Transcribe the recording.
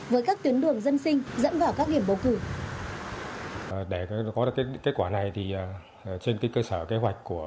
với các tuyến đường dân sinh dẫn vào các điểm bầu cử